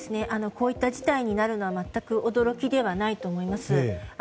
こういった事態になるのは全く驚きではないと思います。